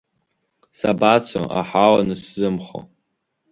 Сабацо аҳауа анысзымхо?